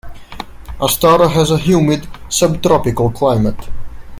Astara has a humid subtropical climate.